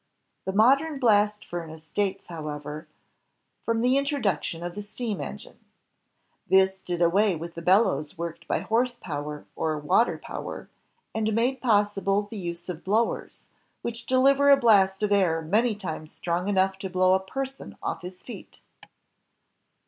The modern blast furnace dates, however, from the HENRY BESSEMER 165 introduction of the steam engine. This did away with the bellows worked by horse power or water power, and made possible the use of blowers, which deliver a blast of air many times strong enough to blow a person off his feet.